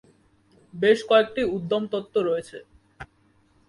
বেশ কয়েকটি উদ্যম তত্ত্ব রয়েছে।